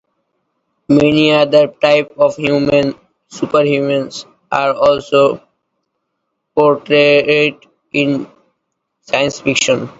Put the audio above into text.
Many other types of superhumans are also portrayed in science fiction.